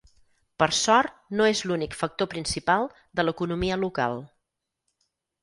Per sort no és l'únic factor principal de l'economia local.